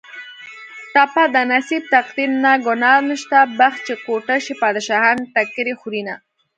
ټپه ده: نصیب تقدیر نه ګناه نشته بخت چې کوټه شي بادشاهان ټکرې خورینه